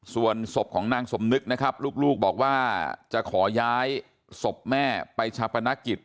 ส่วนศพของนางสมนึกนะครับลูกบอกว่าจะขอย้ายศพแม่ไปชาปนกิจ